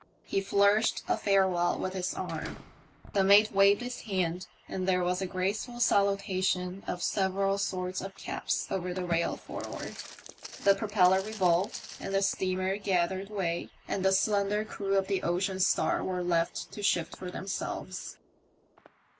He flourished a farewell with his arm ; the mate waved his hand, and there was a graceful salutation of several sorts of caps over the rail forward. The propeller revolved, the steamer gathered way, and the slender crew of the Ocean Star were left to shift for themselves.